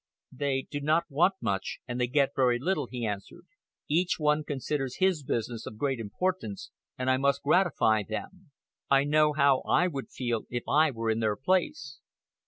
"They do not want much, and they get very little," he answered. "Each one considers his business of great importance, and I must gratify them. I know how I would feel if I were in their place."